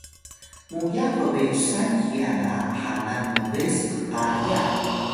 muyax bbesan hiya ga halan mbes qqaya